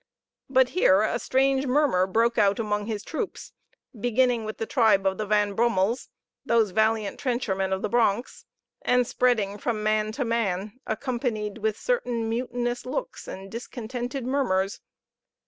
But here a strange murmur broke out among his troops, beginning with the tribe of the Van Bummels, those valiant trenchermen of the Bronx, and spreading from man to man, accompanied with certain mutinous looks and discontented murmurs.